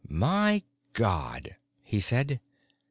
"My God," he said.